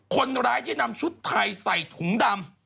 คนร้ายได้นำชุดไทยใส่ถุงดำ